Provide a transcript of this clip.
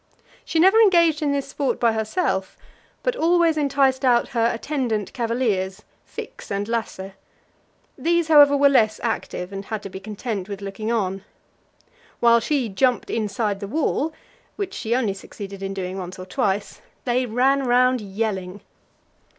She never engaged in this sport by herself, but always enticed out her attendant cavaliers, Fix and Lasse; these, however, were less active, and had to be content with looking on. While she jumped inside the wall which she only succeeded in doing once or twice they ran round yelling.